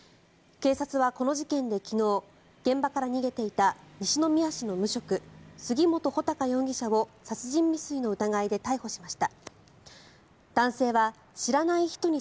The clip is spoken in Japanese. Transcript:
警察は、この事件で昨日、現場から逃げていた西宮市の無職杉本武尊容疑者を殺人未遂の疑いで逮捕しました。